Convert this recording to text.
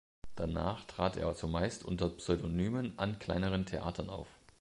Danach trat er zumeist unter Pseudonymen an kleineren Theatern auf.